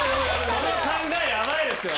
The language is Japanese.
この考えヤバいですよ。